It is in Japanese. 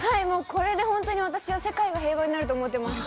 これでホントに私は世界が平和になると思っています。